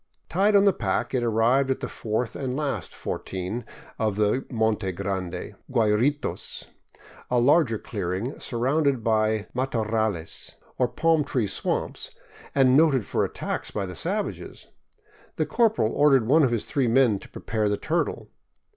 Tied on the pack, it arrived at the fourth and last fortin of the Monte Grande, Guayritos, a larger clearing surrounded by matorrales, or palm tree swamps, and noted for attacks by the savages. The cor poral ordered one of his three men to prepare the turtle.